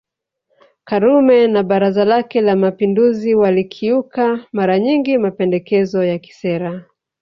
Karume na Baraza lake la Mapinduzi walikiuka mara nyingi mapendekezo ya kisera